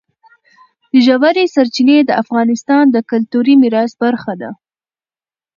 ژورې سرچینې د افغانستان د کلتوري میراث برخه ده.